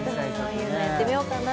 そういうのやってみようかな